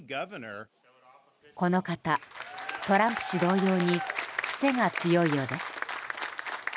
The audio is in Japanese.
この方、トランプ氏同様に癖が強いようです。